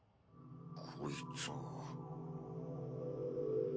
こいつも。